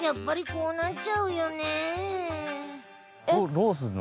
どうすんの？